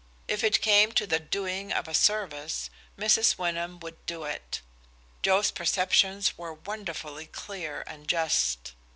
If it came to the doing of a service, Mrs. Wyndham would do it. Joe's perceptions were wonderfully clear and just.